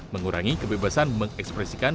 mengurangi kebebasan mengekspresikan